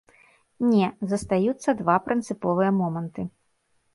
Не, застаюцца два прынцыповыя моманты.